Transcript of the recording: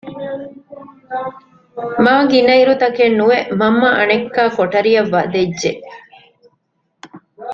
މާގިނައިރު ތަކެއް ނުވެ މަންމަ އަނެއްކާ ކޮޓަރިއަށް ވަދެއްޖެ